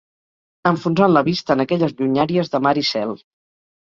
Enfonsant la vista en aquelles llunyàries de mar i cel